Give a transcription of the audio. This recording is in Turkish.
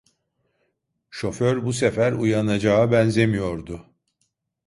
Şoför bu sefer uyanacağa benzemiyordu.